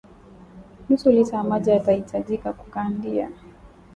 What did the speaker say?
nusu lita ya maji yatahitajika kukandia